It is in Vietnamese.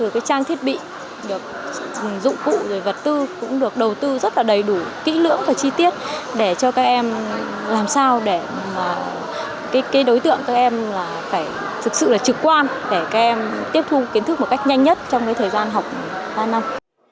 cái đối tượng các em là phải thực sự là trực quan để các em tiếp thu kiến thức một cách nhanh nhất trong cái thời gian học ba năm